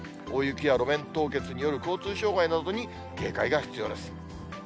大雪や路面凍結による交通障害などに警戒が必要です。